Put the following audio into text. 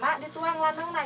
mak di tuang lantang nanya